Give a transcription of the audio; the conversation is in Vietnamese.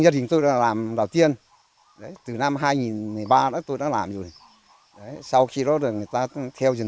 gia đình tôi đã làm đầu tiên từ năm hai nghìn một mươi ba đó tôi đã làm rồi sau khi đó là người ta theo rừng